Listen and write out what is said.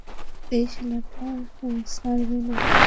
এই শালাকে ছাড়বি না!